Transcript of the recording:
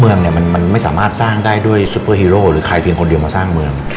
เมืองเนี่ยมันไม่สามารถสร้างได้ด้วยซุปเปอร์ฮีโร่หรือใครเพียงคนเดียวมาสร้างเมือง